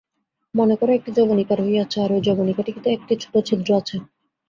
মনে কর, একটি যবনিকা রহিয়াছে, আর ঐ যবনিকাটিতে একটি ছোট ছিদ্র আছে।